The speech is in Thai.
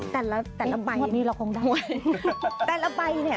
แต่ละใบเนี่ย